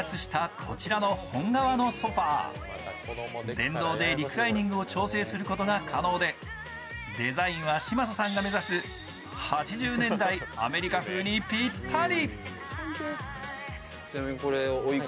電動でリクライニングを調整することが可能で、デザインは嶋佐さんが目指す８０年代アメリカ風にぴったり。